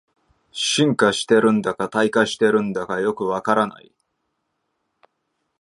進化してるんだか退化してるんだかよくわからない